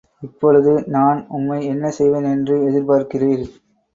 இப்பொழுது நான் உம்மை என்ன செய்வேன் என்று எதிர்பார்க்கிறீர்?